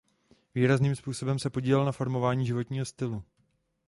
Výrazným způsobem se podílel na formování životního stylu.